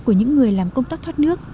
của những người làm công tác thoát nước